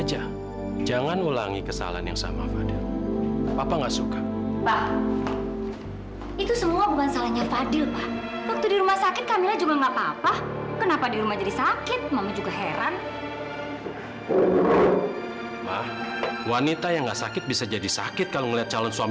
karena ini kesempatan kedua